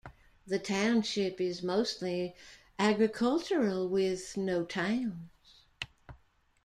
The township is mostly agricultural with no towns.